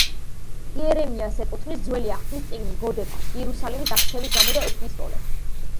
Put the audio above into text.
იერემიას ეკუთვნის ძველი აღთქმის წიგნი „გოდება“ იერუსალიმის დაქცევის გამო და ეპისტოლე.